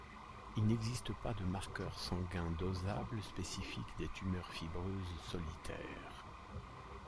Il n'existe pas de marqueur sanguin dosable spécifique des tumeurs fibreuses solitaires.